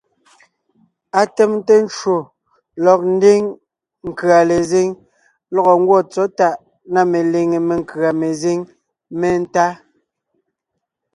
Atèmte ncwò lɔg ńdiŋ nkʉ̀a lezíŋ lɔgɔ ńgwɔ́ tsɔ̌ tàʼ na meliŋé menkʉ̀a mezíŋ métá.